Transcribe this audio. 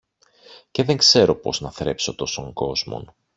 Και δεν ξέρω πώς να θρέψω τόσον κόσμον!